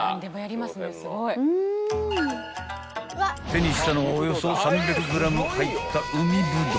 ［手にしたのはおよそ３００ｇ入った海ぶどう］